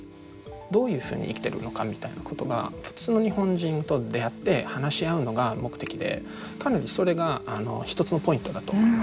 どういうふうに生きてるのかみたいなことが普通の日本人と出会って話し合うのが目的でかなりそれが一つのポイントだと思います。